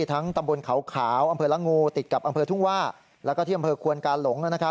ทั้งตำบลขาวขาวอำเภอละงูติดกับอำเภอทุ่งว่าและอำเภอขวนกาหลง